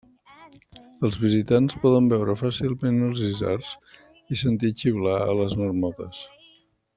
Els visitants poden veure fàcilment els Isards i sentir xiular a les marmotes.